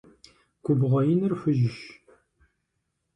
Губгъуэ иныр хужьщ.